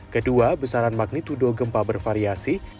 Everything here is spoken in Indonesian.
kedua besaran magnitudo gempa bervariasi